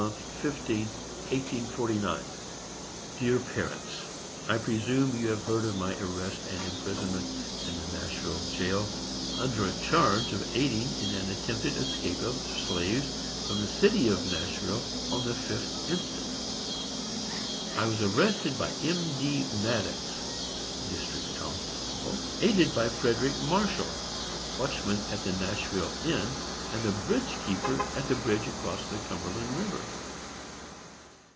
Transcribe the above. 15th, 1849._ DEAR PARENTS: I presume you have heard of my arrest and imprisonment in the Nashville jail, under a charge of aiding in an attempted escape of slaves from the city of Nashville, on the 5th inst. I was arrested by M. D. Maddox (district constable), aided by Frederick Marshal, watchman at the Nashville Inn, and the bridge keeper, at the bridge across the Cumberland river.